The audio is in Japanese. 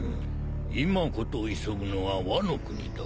今事を急ぐのはワノ国だ。